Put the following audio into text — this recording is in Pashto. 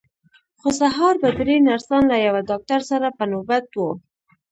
خو سهار به درې نرسان له یوه ډاکټر سره په نوبت وو.